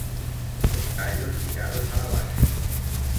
Los tallos ligados a la base.